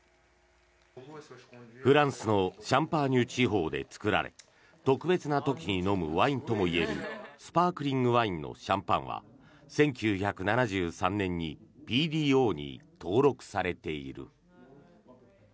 フランスのシャンパーニュ地方で作られ特別な時に飲むワインともいわれるスパークリングワインのシャンパンは１９７３年にＰＤＯに登録されている。